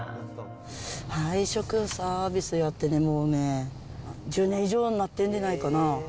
配食サービスをやってね、もうね、１０年以上になってるんでないかな。